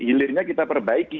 hilirnya kita perbaiki